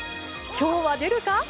今日は出るか？